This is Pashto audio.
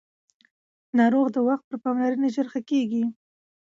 ناروغ د وخت پر پاملرنې ژر ښه کېږي